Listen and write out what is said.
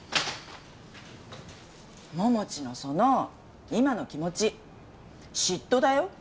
桃地のその今の気持ち嫉妬だよ。